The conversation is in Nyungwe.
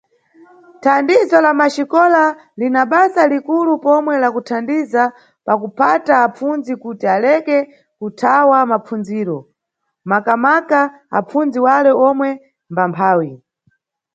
Thandizo la Maxikola lina basa likulu pomwe la kuthandiza pa kuphata apfundzi kuti aleke kuthaya mapfundziro, makamaka apfundzi wale omwe mbamphawi.